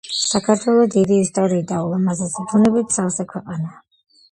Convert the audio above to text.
საქართველო დიდი ისტორიით და ულამაზესი ბუნებით სავსე ქვეყანაა.